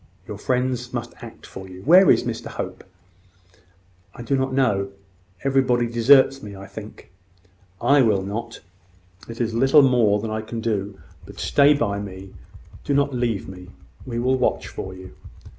Your friends must act for you. Where is Mr Hope?" "I do not know. Everybody deserts me, I think." "I will not. It is little I can do; but stay by me: do not leave me. I will watch for you."